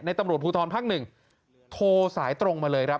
ตำรวจภูทรภักดิ์๑โทรสายตรงมาเลยครับ